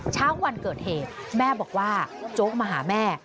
เช้าวันเกิดเหตุแม่บอกว่าโจ๊กมาหาแม่